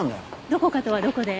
どこかとはどこで？